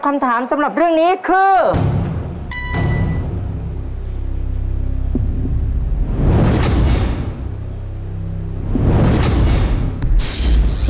คำถามสำหรับเรื่องนี้คือ